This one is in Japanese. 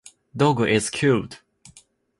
Dog is cute.